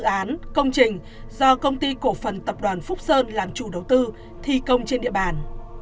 dự án công trình do công ty cổ phần tập đoàn phúc sơn làm chủ đầu tư thi công trên địa bàn